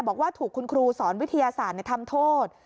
บอกว่าถูกคุณครูสอนวิทยาศาสตร์ทำโทษ